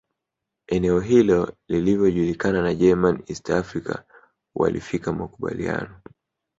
Eneo hilo lilivyojulikana na German East Africa walifikia makubaliano